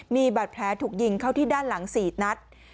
มีบาดแผลถูกยิงเข้าที่ด้านหลัง๔นัด